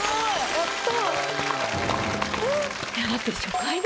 やった。